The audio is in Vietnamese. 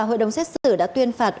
hội đồng xét xử đã tuyên phạt